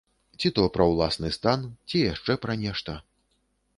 Ці то пра ўласны стан, ці яшчэ пра нешта.